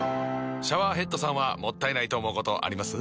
シャワーヘッドさんはもったいないと思うことあります？